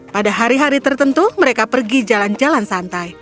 pada hari hari tertentu mereka pergi jalan jalan santai